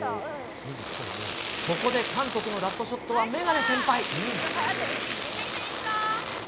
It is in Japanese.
ここで韓国のラストショットは眼鏡先輩。